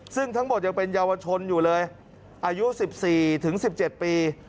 ซึ่งทั้งหมดยังเป็นเยาวชนอยู่เลยอายุ๑๔ถึง๑๗ปี